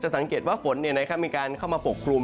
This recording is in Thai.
สังเกตว่าฝนมีการเข้ามาปกคลุม